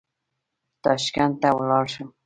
تاشکند ته ولاړ شم.